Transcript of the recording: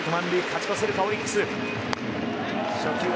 勝ち越せるか、オリックス。